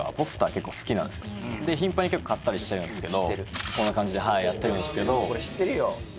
結構好きなんですよで頻繁に結構買ったりしてるんですけどこんな感じではいやってるんですけどま